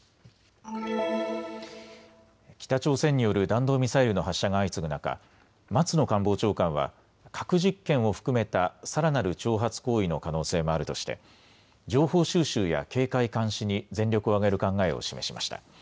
北朝鮮による弾道ミサイルの発射が相次ぐ中、松野官房長官は核実験を含めたさらなる挑発行為の可能性もあるとして情報収集や警戒監視に全力を挙げる考えを示しました。